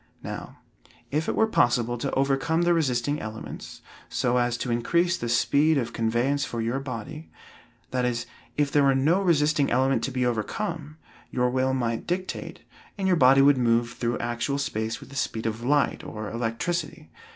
Now, if it were possible to overcome the resisting elements, so as to increase the speed of conveyance for your body that is, if there were no resisting element to be overcome, your will might dictate, and your body would move through actual space with the speed of light, or electricity.